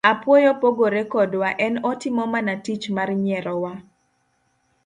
Apuoyo pogore kodwa, en otimo mana tich mar nyierowa.